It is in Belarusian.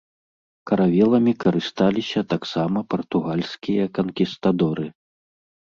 Каравеламі карысталіся таксама партугальскія канкістадоры.